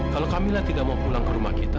kalau kamilah tidak mau pulang ke rumah kita